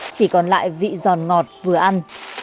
chỉ còn lại vị giòn ngọt vừa ăn